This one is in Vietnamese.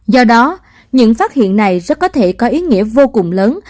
do đó những phát hiện này rất có thể có ý nghĩa vô cùng lớn